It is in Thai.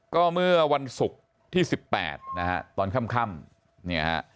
ก็เมื่อวันศุกร์ที่๑๘นะฮะตอนค่ำเนี่ยฮะ